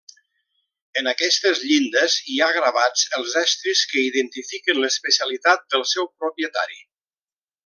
En aquestes llindes hi ha gravats els estris que identifiquen l'especialitat del seu propietari.